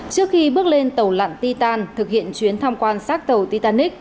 trước khi bước lên tàu lặn titan thực hiện chuyến tham quan sát tàu titanic